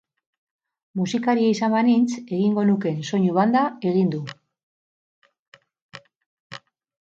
Musikaria izan banintz egingo nukeen soinu banda egin du.